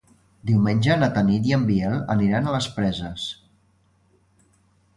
Diumenge na Tanit i en Biel aniran a les Preses.